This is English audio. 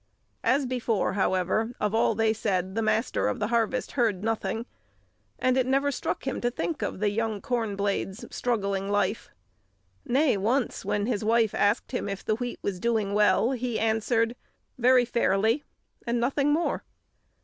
As before, however, of all they said the Master of the Harvest heard nothing; and it never struck him to think of the young corn blades' struggling life. Nay, once, when his wife asked him if the wheat was doing well, he answered, "Very fairly," and nothing more.